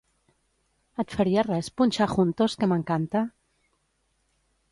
Et faria res punxar "Juntos", que m'encanta?